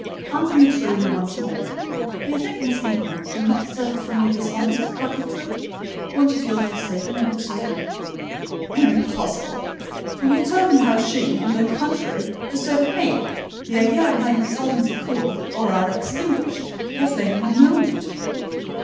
Answer me truly once more. Do you think Miss Ingram will not suffer from your dishonest coquetry? Won't she feel forsaken and deserted?" "Impossible!—when I told you how she, on the contrary, deserted me: the idea of my insolvency cooled, or rather extinguished, her flame in a moment."